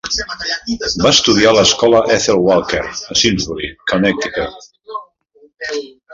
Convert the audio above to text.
Va estudiar a l'escola Ethel Walker, a Simsbury, Connecticut.